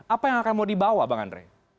apa yang akan mau dibawa bang andre